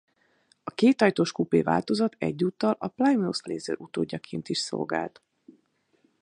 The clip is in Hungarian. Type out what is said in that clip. A kétajtós kupé változat egyúttal a Plymouth Laser utódjaként is szolgált.